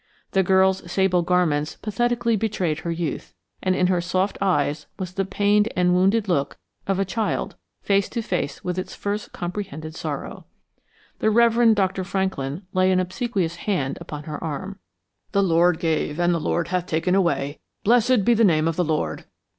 The girl's sable garments pathetically betrayed her youth, and in her soft eyes was the pained and wounded look of a child face to face with its first comprehended sorrow. The Rev. Dr. Franklin laid an obsequious hand upon her arm. "The Lord gave and the Lord hath taken away; blessed be the name of the Lord."